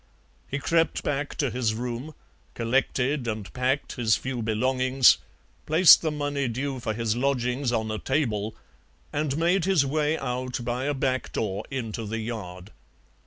He crept back to his room, collected and packed his few belongings, placed the money due for his lodgings on a table, and made his way out by a back door into the yard.